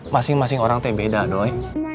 masing masing orang tuh beda dong